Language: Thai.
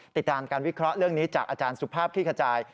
ติดตามการวิเคราะห์เรื่องนี้จากอาจารย์สุภาพคลี่ขจาย